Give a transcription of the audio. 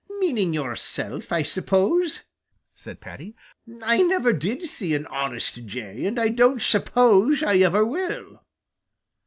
"Meaning yourself, I suppose," said Paddy. "I never did see an honest Jay, and I don't suppose I ever will."